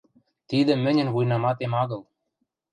Тидӹ мӹньӹн вуйнаматем агыл.